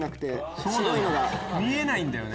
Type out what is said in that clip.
見えないんだよね。